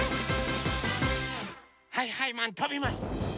はいはいマンとびます！